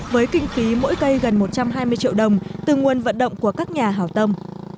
với kinh phí mỗi cây gần một trăm hai mươi triệu đồng từ nguồn vận động của các nhà hào tâm